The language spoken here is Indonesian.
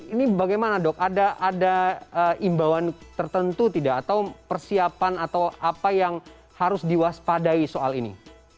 ini bagaimana dok ada imbauan tertentu tidak atau persiapan atau apa yang harus diwaspadai soal ini